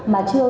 mà chưa có